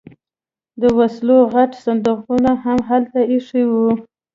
د وسلو غټ صندوقونه هم هلته ایښي وو